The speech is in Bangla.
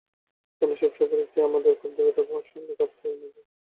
অন্যসব সফরের চেয়ে আমাদের খুব দ্রুত আবহাওয়ার সঙ্গে খাপ খাইয়ে নিতে হবে।